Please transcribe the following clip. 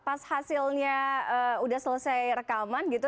pas hasilnya sudah selesai rekaman gitu